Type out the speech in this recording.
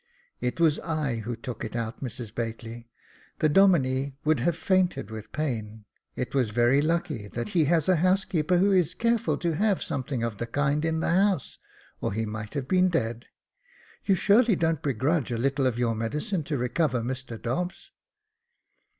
" It was I who took it out, Mrs Bately ; the Domine Jacob Faithful 385 would have fainted with pain. It was very lucky that he has a housekeeper who is careful to have something of the kind in the house, or he might have been dead. You surely don't begrudge a little of your medicine to recover Mr Dobbs